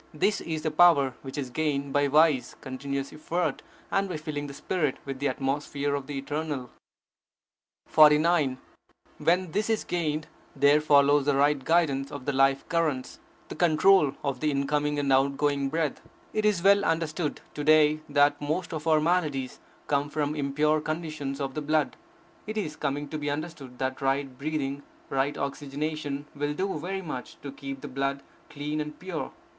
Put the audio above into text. This is the power which is gained by wise, continuous effort, and by filling the spirit with the atmosphere of the Eternal. 49. When this is gained, there follows the right guidance of the life currents, the control of the incoming and outgoing breath. It is well understood to day that most of our maladies come from impure conditions of the blood. It is coming to be understood that right breathing, right oxygenation, will do very much to keep the blood clean and pure.